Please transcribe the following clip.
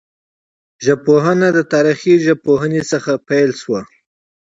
ژبپوهنه د تاریخي ژبپوهني څخه پیل سوه.